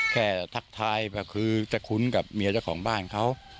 ทักทายก็คือจะคุ้นกับเมียเจ้าของบ้านเขา